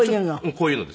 こういうのです。